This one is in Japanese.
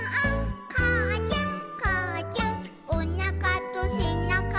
「かあちゃんかあちゃん」「おなかとせなかが」